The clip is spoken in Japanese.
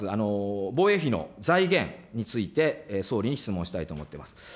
防衛費の財源について、総理に質問したいと思っています。